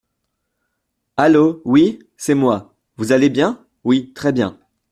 Allô, oui, c’est moi… vous allez bien… oui, très bien…